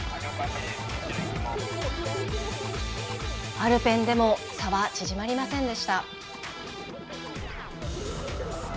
アルペンでも差は縮まりませんでした。